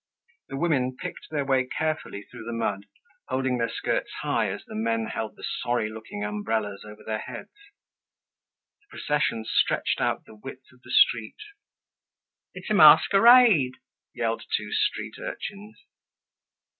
The women picked their way carefully through the mud, holding their skirts high as the men held the sorry looking umbrellas over their heads. The procession stretched out the width of the street. "It's a masquerade!" yelled two street urchins.